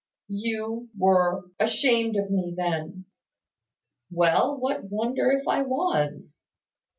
"You were ashamed of me, then." "Well, what wonder if I was?"